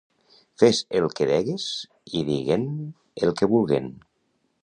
Fes el que degues i que diguen el que vulguen.